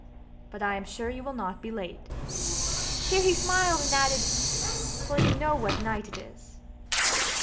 But I am sure you will not be late." Here he smiled and added, "for you know what night it is."